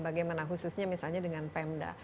bagaimana khususnya misalnya dengan pemda